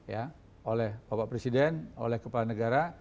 ya oleh bapak presiden oleh kepala negara